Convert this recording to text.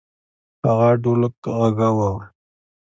هغه ډولک غږاوه.